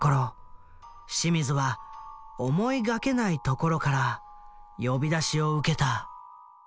清水は思いがけない所から呼び出しを受けた。